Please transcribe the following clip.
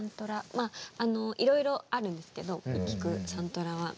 まあいろいろあるんですけど聴くサントラは。